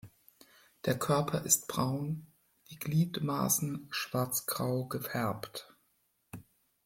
Der Körper ist braun, die Gliedmaßen schwarzgrau gefärbt.